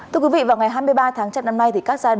thưa quý vị vào ngày hai mươi ba tháng bảy năm nay